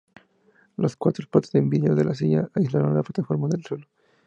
Las cuatro patas de vidrio de la silla aislaron la plataforma del suelo.